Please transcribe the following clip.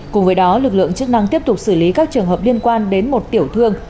cùng với đó lực lượng chức năng tiếp tục xử lý các trường hợp liên quan đến một tiểu thương